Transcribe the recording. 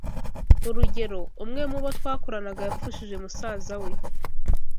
Urugero, umwe mu bo twakoranaga yapfushije musaza we